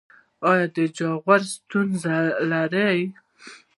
ایا د جاغور ستونزه لرئ؟